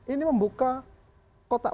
ini membuka kotak